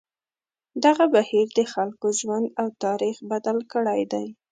دغه بهیر د خلکو ژوند او تاریخ بدل کړی دی.